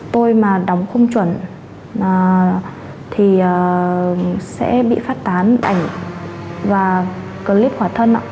tôi mà đóng không chuẩn thì sẽ bị phát tán ảnh và clip khỏa thân ạ